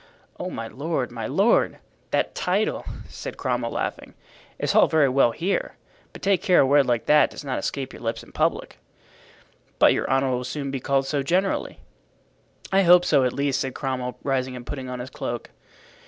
"Oh, my lord, my lord!" "That title," said Cromwell, laughing, "is all very well here, but take care a word like that does not escape your lips in public." "But your honor will soon be called so generally." "I hope so, at least," said Cromwell, rising and putting on his cloak.